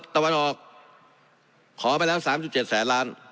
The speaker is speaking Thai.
ตะวันออกขอไปแล้ว๓๗แสนล้าน